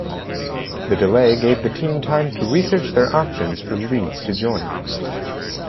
The delay gave the team time to research their options for leagues to join.